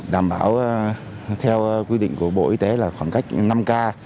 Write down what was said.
đảm bảo theo quy định của bộ y tế là khoảng cách năm ca